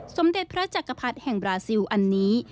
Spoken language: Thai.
สมเด็จพระจักรพรรดิแห่งบราซิลอันนี้